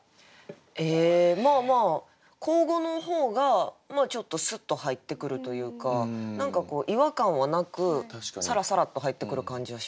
えまあまあ口語の方がちょっとスッと入ってくるというか何かこう違和感はなくサラサラと入ってくる感じはしますかね。